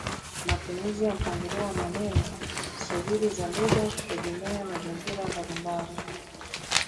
matumizi ya mpangilio wa maneno, sajili za lugha kutegemea mazingira mbalimbali